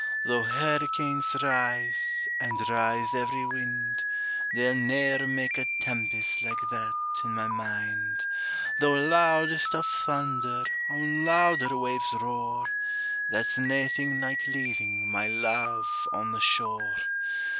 Though hurricanes rise, and rise every wind, They'll ne'er make a tempest like that in my mind; Though loudest of thunder on louder waves roar, That's naething like leaving my love on the shore.